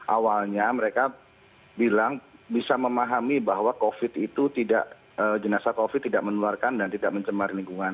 awalnya mereka bilang bisa memahami bahwa covid itu tidak jenazah covid tidak menularkan dan tidak mencemar lingkungan